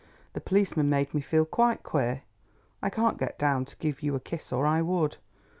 The policeman made me feel quite queer. I can't get down to give you a kiss or I would.